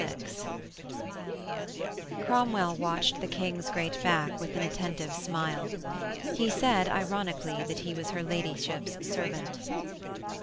VI Cromwell watched the King's great back with an attentive smile. He said, ironically, that he was her ladyship's servant.